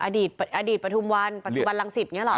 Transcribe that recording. อดีตประถุมวันประถุบันรังศิษย์อย่างนี้เหรอ